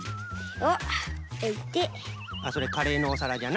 あっそれカレーのおさらじゃな。